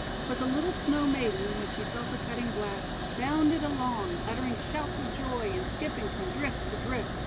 But the little Snow Maiden, when she felt the cutting blast, bounded along, uttering shouts of joy, and skipping from drift to drift.